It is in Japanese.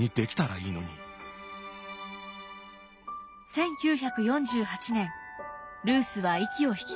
１９４８年ルースは息を引き取りました。